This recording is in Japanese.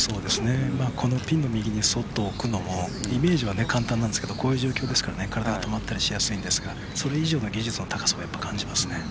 このピンの右に置くのもイメージは簡単なんですけどこういう状況ですから体が止まったりしやすいんですがそれ以上の技術の高さを感じますね。